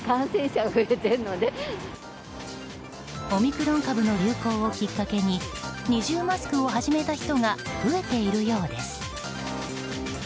オミクロン株の流行をきっかけに二重マスクを始めた人が増えているようです。